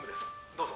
どうぞ。